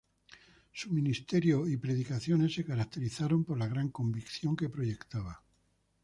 Su ministerio y predicaciones se caracterizaron por la gran convicción que proyectaba.